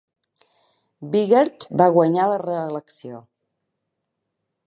Biggert va guanyar la reelecció.